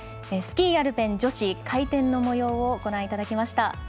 スキー・アルペン女子回転のもようをご覧いただきました。